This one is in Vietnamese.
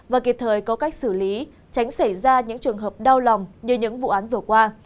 và kịp thời có cách xử lý tránh xảy ra những trường hợp đau lòng như những vụ án vừa qua